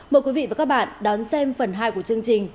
mời quý vị và các bạn đón xem phần hai của chương trình